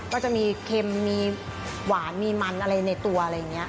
ก็จะมีเค็มมีหวานมีมันอะไรในตัวอะไรอย่างนี้